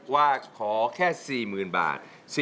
ว่าขอแค่๔๐๐๐บาท